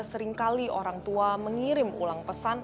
seringkali orang tua mengirim ulang pesan